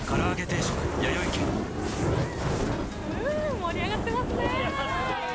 盛り上がってますね。